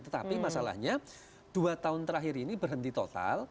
tetapi masalahnya dua tahun terakhir ini berhenti total